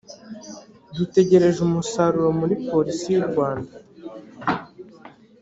dutegereje umusaruro muri polisi y’u rwanda